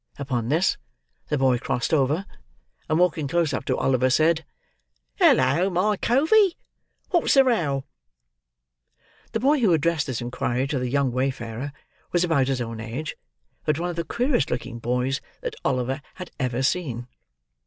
Upon this, the boy crossed over; and walking close up to Oliver, said, "Hullo, my covey! What's the row?" The boy who addressed this inquiry to the young wayfarer, was about his own age: but one of the queerest looking boys that Oliver had even seen.